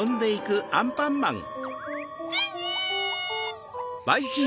アンアン！